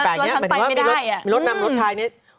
หมายถึงว่ามีรถนำรถพายนี้